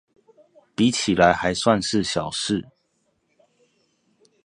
比起來還算是小事